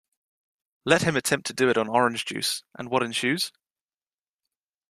Let him attempt to do it on orange juice, and what ensues?